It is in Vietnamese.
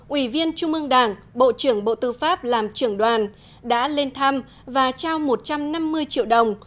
ủy viên trung ương đảng bộ trưởng bộ tư pháp làm trưởng đoàn đã lên thăm và trao một trăm năm mươi triệu đồng